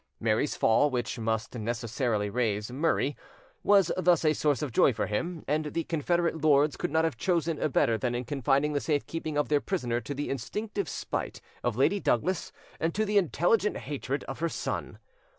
Mary's fall, which must necessarily raise Murray, was thus a source of joy for him, and the Confederate lords could not have chosen better than in confiding the safe keeping of their prisoner to the instinctive spite of Lady Douglas and to the intelligent hatred of her son.